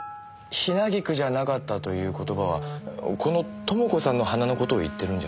「ヒナギクじゃなかった」という言葉はこの「朋子さんの花」の事を言ってるんじゃないんですか？